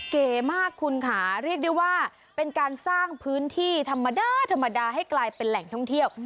เก๋มากคุณค่ะเรียกได้ว่าเป็นการสร้างพื้นที่ธรรมดาธรรมดาให้กลายเป็นแหล่งท่องเที่ยว